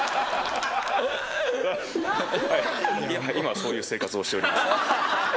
今はそういう生活をしております。